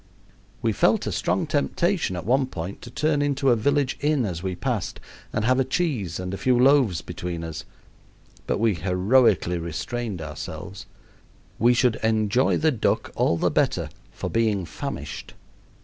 We felt a strong temptation, at one point, to turn into a village inn as we passed and have a cheese and a few loaves between us, but we heroically restrained ourselves: we should enjoy the duck all the better for being famished.